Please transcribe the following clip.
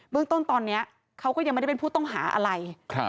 เรื่องต้นตอนนี้เขาก็ยังไม่ได้เป็นผู้ต้องหาอะไร